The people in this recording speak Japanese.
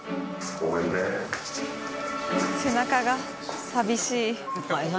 背中が寂しい。